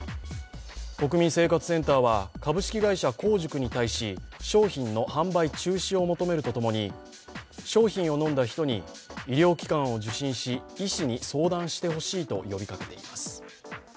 国民生活センターは、株式会社香塾に対し商品の販売中止を求めるとともに商品を飲んだ人に医療機関を受診し、医師に相談してほしいと呼びかけています。